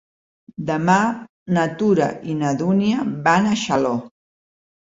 Demà na Tura i na Dúnia van a Xaló.